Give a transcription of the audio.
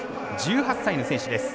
１８歳の選手です。